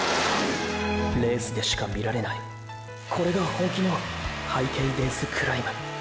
レースでしか見られないこれが本気のハイケイデンスクライム！！